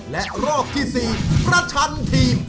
และรอบที่๔ประชันทีม